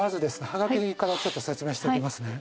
はがきから説明していきますね。